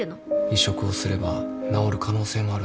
移植をすれば治る可能性もあるんだよ。